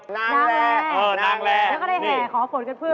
แล้วก็ได้แห่ขอโฝนกันเพิ่ม